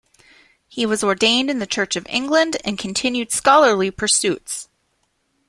He was ordained in the Church of England and continued scholarly pursuits.